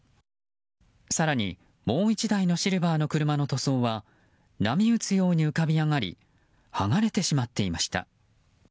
更にもう１台のシルバーの車の塗装は波打つように浮かび上がり剥がれてしまっていました。